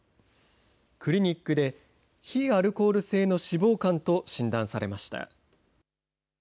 クリニックで非アルコール性の脂肪肝と診断されました。